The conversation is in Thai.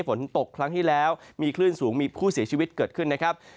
ฝนตกครั้งที่แล้วมีคลื่นสูงมีผู้เสียชีวิตเกิดขึ้นนะครับ